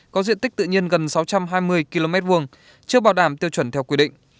có diện tích tự nhiên gần sáu trăm hai mươi km hai chưa bảo đảm tiêu chuẩn theo quy định